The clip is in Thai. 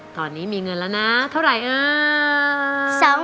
ตอนนี้มีเงินละนะเท่าไหร่เอา